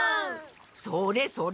それそれ！